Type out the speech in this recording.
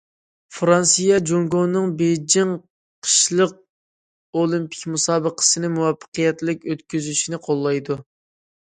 فىرانسىيە جۇڭگونىڭ بېيجىڭ قىشلىق ئولىمپىك مۇسابىقىسىنى مۇۋەپپەقىيەتلىك ئۆتكۈزۈشىنى قوللايدۇ.